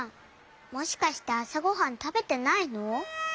もしかしてあさごはんたべてないの？